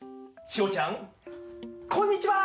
ちおちゃんこんにちは。